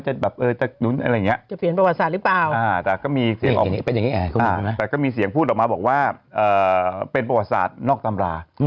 จะเปลี่ยนประวัติศาสตร์หรือเปล่าแต่ก็มีเสียงพูดออกมาบอกว่าเป็นประวัติศาสตร์นอกตำรา